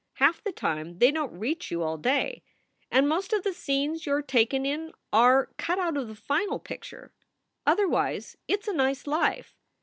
Half the time they don t reach you all day. And most of the scenes you re taken in are cut out of the final picture. Otherwise it s a nice life."